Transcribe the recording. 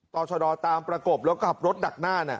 ต่อชะดอตามประกบแล้วขับรถดักหน้า